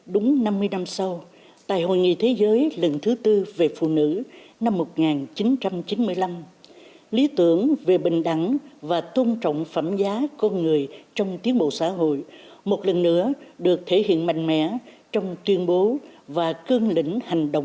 đúng năm mươi năm sau tại hội nghị thế giới lần thứ tư về phụ nữ năm một nghìn chín trăm chín mươi năm lý tưởng về bình đẳng và tôn trọng phẩm giá con người trong tiến bộ xã hội một lần nữa được thể hiện mạnh mẽ trong tuyên bố và cương lĩnh hành động